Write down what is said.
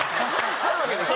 あるわけでしょ？